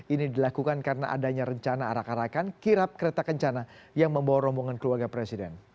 ini dilakukan karena adanya rencana arak arakan kirap kereta kencana yang membawa rombongan keluarga presiden